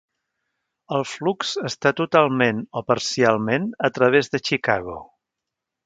El flux està totalment o parcialment a través de Chicago.